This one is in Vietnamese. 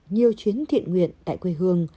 nhiều chuyến thiện nguyện tại quê hương